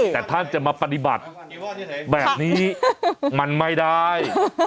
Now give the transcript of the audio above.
แต่ท่านจะมาปฏิบัติแบบนี้มันไม่ได้